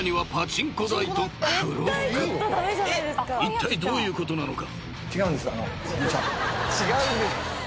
［いったいどういうことなのか？］